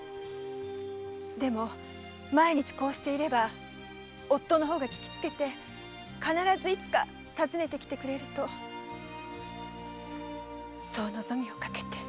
でも毎日こうしていれば夫の方が聞きつけて必ずいつか訪ねてきてくれるとそう望みをかけて。